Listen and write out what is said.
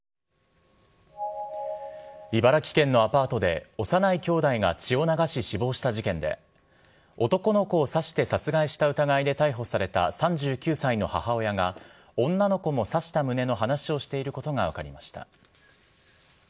茨城県のアパートで、幼い兄妹が血を流し、死亡した事件で、男の子を刺して殺害した疑いで逮捕された３９歳の母親が、女の子も刺した旨の話をしていることが分かりました。